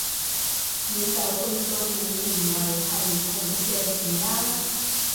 你就去做你認為係好嘅事啦